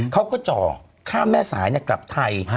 เขาก็เจาะข้ามแม่สายกลับไทย